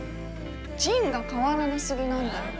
仁が変わらなすぎなんだよ。